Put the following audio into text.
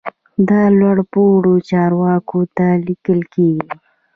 دا لوړ پوړو چارواکو ته لیکل کیږي.